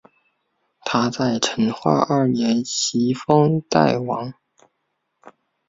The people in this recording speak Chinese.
他在成化二年袭封代王。